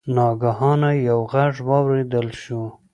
ناګهانه یو غږ واوریدل شو.